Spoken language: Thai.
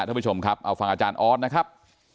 ท่านผู้ชมครับเอาฟังอาจารย์ออสนะครับ